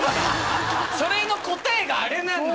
それの答えがあれなんだ。